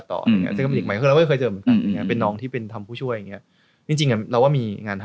ที่มันก็มีเด็กใหม่สองคน